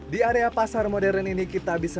di area pasar modern ini kita bisa